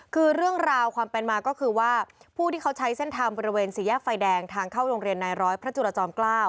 คือเรื่องราวความเป็นมาก็คือว่าผู้ที่เขาใช้เส้นทางบริเวณสี่แยกไฟแดงทางเข้าโรงเรียนนายร้อยพระจุรจอม๙